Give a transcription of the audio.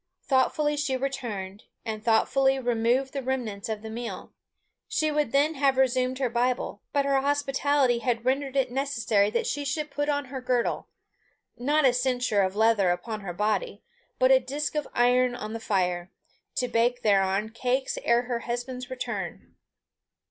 Thoughtfully she returned, and thoughtfully removed the remnants of the meal. She would then have resumed her Bible, but her hospitality had rendered it necessary that she should put on her girdle not a cincture of leather upon her body, but a disc of iron on the fire to bake thereon cakes ere her husband's return.